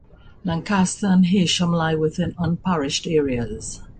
Lancaster and Heysham lie within unparished areas.